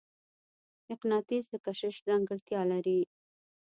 مقناطیس د کشش ځانګړتیا لري.